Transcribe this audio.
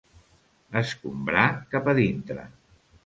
Escombrar cap a dintre.